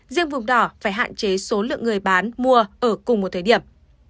riêng vùng đỏ phải hạn chế số lượng người bán mua ở cùng một thời điểm